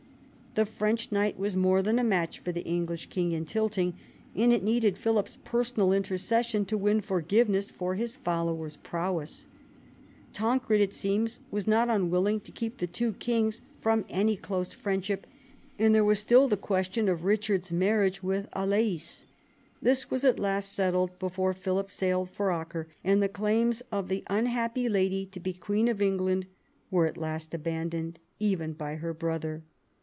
The French knight was more than a match for the English king in tilting, and it needed Philip's personal intercession to win forgiveness for his follower's prowess. Tancred, it seemed, was not unwilling to keep the two kings from any close friend ship, and there was still the question of Richard's marriage with Alais. This was at last settled before Philip sailed for Acre, and the claims of the unhappy lady to be queen of England were at last abandoned even by her brother.